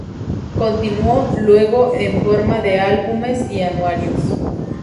Continuó luego en forma de álbumes y anuarios.